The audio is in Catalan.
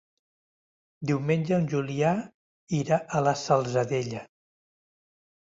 Diumenge en Julià irà a la Salzadella.